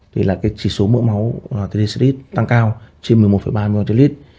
thì là cái chỉ số mỡ máu ba lít tăng cao trên một mươi một ba lít